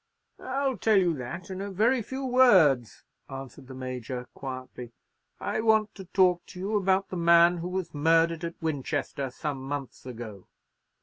"I'll tell you that in a very few words," answered the Major, quietly; "I want to talk to you about the man who was murdered at Winchester some months ago."